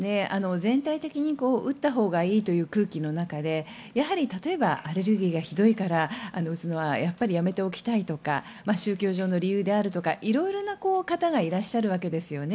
全体的に打ったほうがいいという空気の中で例えば、アレルギーがひどいから打つのはやめておきたいとか宗教上の理由であるとか色々な方がいらっしゃるわけですよね。